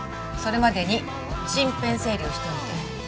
それまでに身辺整理をしておいて。